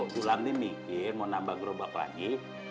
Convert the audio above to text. sulam nih mikir mau nambah gerobak lagi